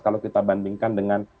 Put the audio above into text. kalau kita bandingkan dengan